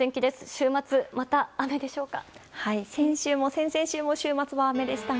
週末、また雨でしょうか？